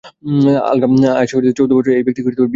আয়শা চৌদ্দ বছর বয়সে এই ব্যক্তিকে বিয়ে করতে বাধ্য হয়েছিলেন।